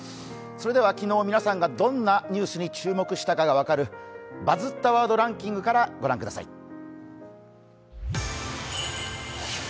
昨日皆さんがどんなニュースに注目したか分かる、「バズったワードランキング」から御覧ください。